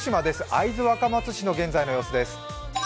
会津若松市の現在の様子です。